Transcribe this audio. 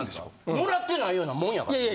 もらってないようなもんやから。